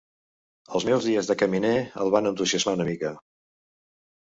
Els meus dies de caminer el van entusiasmar una mica.